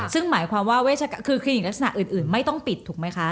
ซึ่งหมายความว่าคือคลินิกลักษณะอื่นไม่ต้องปิดถูกไหมคะ